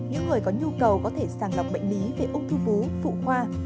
những người có nhu cầu có thể sàng lọc bệnh lý về ung thư bú phụ khoa